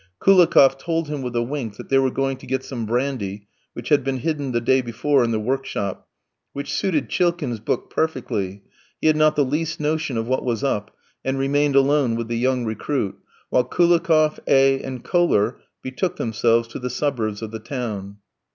Koulikoff told him, with a wink, that they were going to get some brandy, which had been hidden the day before in the workshop, which suited Chilkin's book perfectly; he had not the least notion of what was up, and remained alone with the young recruit, while Koulikoff, A v, and Kohler betook themselves to the suburbs of the town.